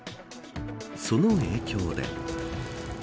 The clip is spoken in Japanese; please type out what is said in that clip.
その影響で。